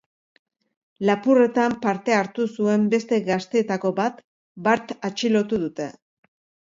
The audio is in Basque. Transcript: Lapurretan parte hartu zuen beste gazteetako bat bart atxilotu dute.